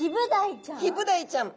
ヒブダイちゃん！